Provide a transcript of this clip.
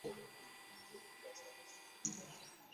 Lwaki tewasiise mmere netusobola okuwomerwa?